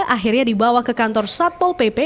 akhirnya dibawa ke kantor satpol pp